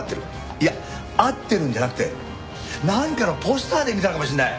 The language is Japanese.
いや会ってるんじゃなくてなんかのポスターで見たのかもしれない！